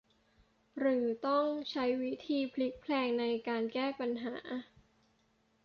หรือต้องใช้วิธีพลิกแพลงในการแก้ปัญหา